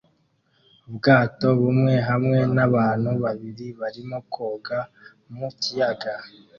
Ubwato bumwe hamwe n'abantu babiri barimo koga mu kiyaga